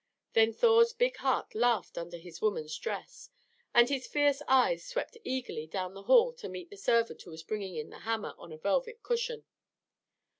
Then Thor's big heart laughed under his woman's dress, and his fierce eyes swept eagerly down the hall to meet the servant who was bringing in the hammer on a velvet cushion.